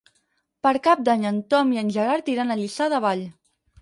Per Cap d'Any en Tom i en Gerard iran a Lliçà de Vall.